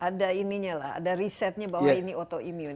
ada ininya lah ada risetnya bahwa ini autoimun